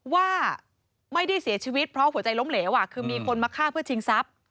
ว่าไม่ได้เสียชีวิตเพราะหัวใจล้มเหลวคือมีคนมาฆ่าเพื่อชิงทรัพย์